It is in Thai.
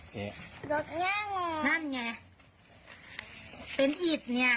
หยุดแม่งองนั่นไงเป็นอิตเนี่ย